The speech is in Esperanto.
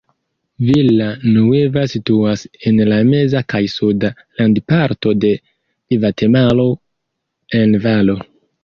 Villa Nueva situas en la meza kaj suda landparto de Gvatemalo en valo.